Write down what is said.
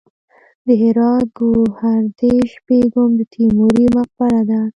د هرات ګوهردش بیګم د تیموري مقبره ده